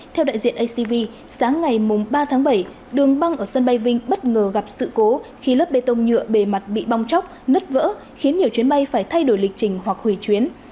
theo đại diện acv sáng ngày ba tháng bảy đường băng ở sân bay vinh bất ngờ gặp sự cố khi lớp bê tông nhựa bề mặt bị bong chóc nứt vỡ khiến nhiều chuyến bay phải thay đổi lịch trình hoặc hủy chuyến